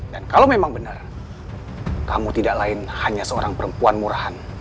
dan kalau memang benar kamu tidak lain hanya seorang perempuan murahan